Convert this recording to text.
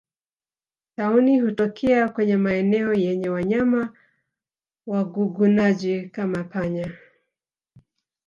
Tauni hutokea kwenye maeneo yenye wanyama wagugunaji kama panya